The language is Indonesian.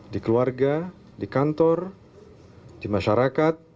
di keluarga di kantor di masyarakat